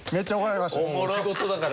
仕事だから。